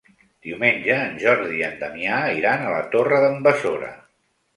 Diumenge en Jordi i en Damià iran a la Torre d'en Besora.